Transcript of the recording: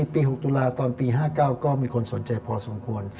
ปี๖ตุลาตอนปี๕๙ก็มีคนสนใจพอสมควร